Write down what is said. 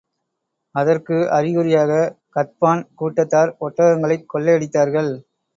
அதற்கு அறிகுறியாக, கத்பான் கூட்டத்தார் ஒட்டகங்களைக் கொள்ளை அடித்தார்கள்.